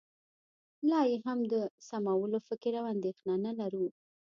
لا یې هم د سمولو فکر او اندېښنه نه لرو